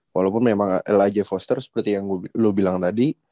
walaupun memang lyg foster seperti yang lo bilang tadi